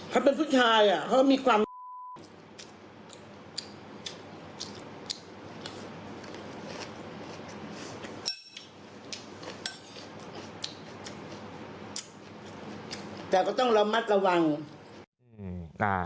เขาเป็นผู้ชายเขาก็มีความ